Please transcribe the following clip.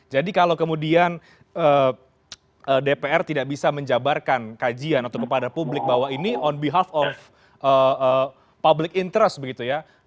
jadi kalau kemudian dpr tidak bisa menjabarkan kajian atau kepada publik bahwa ini on behalf of public interest